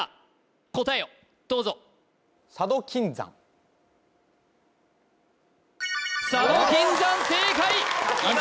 答えをどうぞ佐渡金山正解伊沢